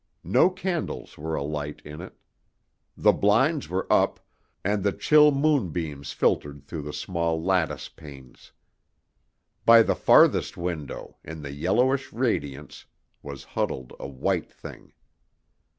No candles were alight in it. The blinds were up, and the chill moonbeams filtered through the small lattice panes. By the farthest window, in the yellowish radiance, was huddled a white thing.